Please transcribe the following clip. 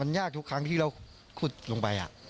มันยากทุกครั้งที่เราคุดลงไปอ่ะ